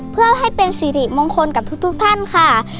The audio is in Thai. เพื่อให้เป็นสิริมงคลกับทุกท่านค่ะ